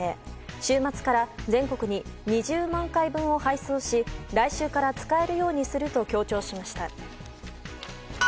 週末から全国に２０万回分を配送し来週から使えるようにすると強調しました。